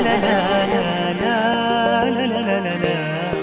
nah nah nah nah nah nah nah nah nah nah nah nah